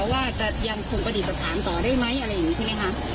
ว่าจะยังคงประดิษฐานต่อได้ไหมอะไรอย่างนี้ใช่ไหมคะ